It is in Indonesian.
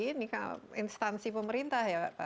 ini kan instansi pemerintah ya